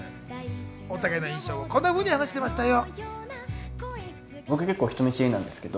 お互いの印象をこんなふうに話していましたよ。